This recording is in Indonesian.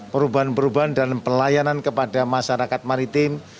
perubahan perubahan dan pelayanan kepada masyarakat maritim